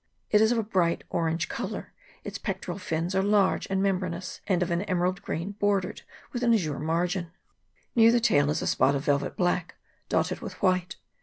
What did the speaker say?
It is of a bright orange colour ; its pectoral fins are large and membranous, and of an emerald green, bordered with an azure margin. Near the tail is a spot of velvet black, dotted with white.